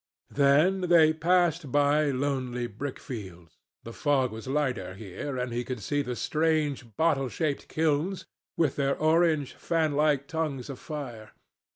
Then they passed by lonely brickfields. The fog was lighter here, and he could see the strange, bottle shaped kilns with their orange, fanlike tongues of fire.